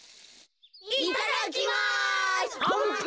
いただきます。